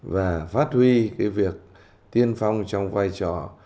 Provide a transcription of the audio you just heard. và phát huy việc tiên phong trong vai trò